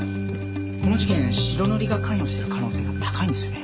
この事件白塗りが関与してる可能性が高いんですよね？